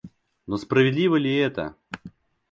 Но справедливо ли это?..